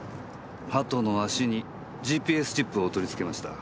鳩の足にＧＰＳチップを取り付けました。